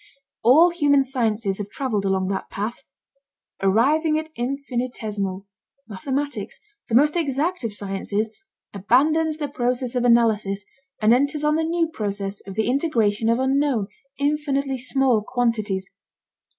All human sciences have traveled along that path. Arriving at infinitesimals, mathematics, the most exact of sciences, abandons the process of analysis and enters on the new process of the integration of unknown, infinitely small, quantities.